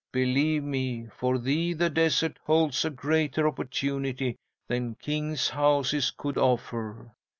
Believe me, for thee the desert holds a greater opportunity than kings' houses could offer.